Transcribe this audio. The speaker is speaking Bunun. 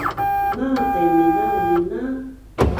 Maaq i minaunin a